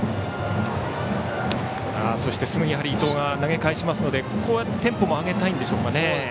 すぐに伊藤が投げ返しますのでこうやってテンポも上げたいんでしょうかね。